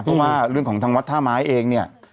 เพราะว่าเรื่องของทางวัดท่าไม้เองเนี่ย